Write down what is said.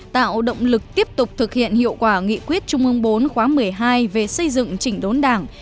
tạo động lực tiếp tục thực hiện hiệu quả nghị quyết trung ương bốn khóa một mươi hai về xây dựng chỉnh đốn đảng